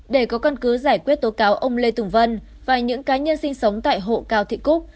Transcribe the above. để có căn cứ giải quyết tố cáo ông lê tùng vân và những cá nhân sinh sống tại hộ cao thị cúc